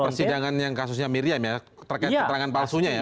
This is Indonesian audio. jadi persidangan yang kasusnya miriam ya terkait keterangan palsunya ya